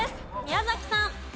宮崎さん。